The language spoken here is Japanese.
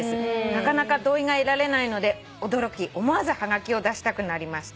「なかなか同意が得られないので驚き思わずはがきを出したくなりました」